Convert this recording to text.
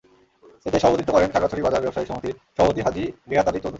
এতে সভাপতিত্ব করেন খাগড়াছড়ি বাজার ব্যবসায়ী সমিতির সভাপতি হাজি রেয়াত আলী চৌধুরী।